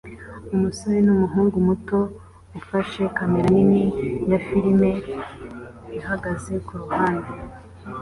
umusore numuhungu muto ufashe kamera nini ya firime ihagaze kuruhande